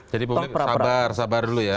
jadi publik sabar dulu ya